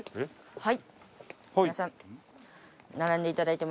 はい。